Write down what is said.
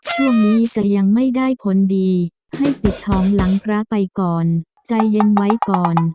ช่วงนี้จะยังไม่ได้ผลดีให้ปิดทองหลังพระไปก่อนใจเย็นไว้ก่อน